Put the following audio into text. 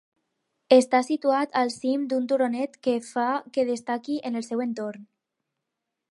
Està situat al cim d'un turonet, que fa que destaqui en el seu entorn.